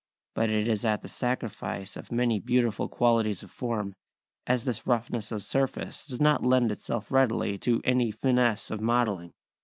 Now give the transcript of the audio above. But it is at the sacrifice of many beautiful qualities of form, as this roughness of surface does not lend itself readily to any finesse of modelling.